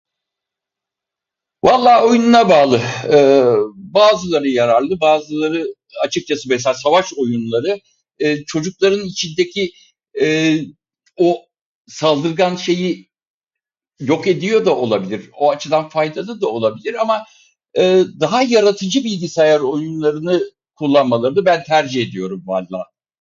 Valla oyununa bağlı. Bazıları yararlı bazıları, açıkçası mesela savaş oyunları, ee, çocukların içindeki, ee, o, saldırgan şeyi yok ediyor da olabilir. O açıdan faydalı da olabilir ama, ee, daha yaratıcı bilgisayar oyunlarını kullanmalarını ben tercih ediyorum valla.